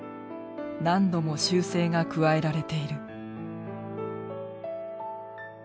何度も修正が加えられている。